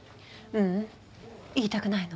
ううん言いたくないの。